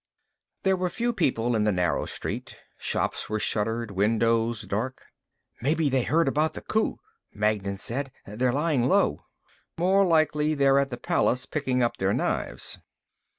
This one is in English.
There were few people in the narrow street. Shops were shuttered, windows dark. "Maybe they heard about the coup," Magnan said. "They're lying low." "More likely, they're at the palace picking up their knives."